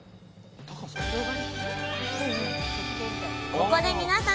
ここで皆さん注目！